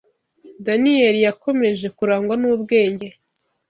Daniyeli yakomeje kurangwa n’ubwenge